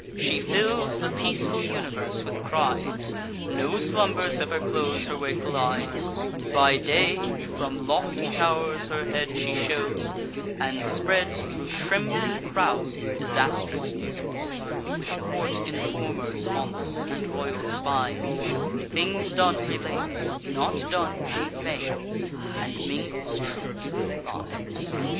She fills the peaceful universe with cries; No slumbers ever close her wakeful eyes; By day, from lofty tow'rs her head she shews, And spreads thro' trembling crowds disastrous news; With court informers haunts, and royal spies; Things done relates, not done she feigns, and mingles truth with lies.